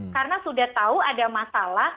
karena sudah tahu ada masalah